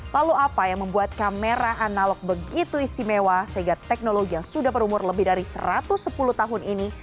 lalu apa yang membuat kamera analog begitu istimewa sehingga teknologi yang sudah berumur lebih dari satu ratus sepuluh tahun ini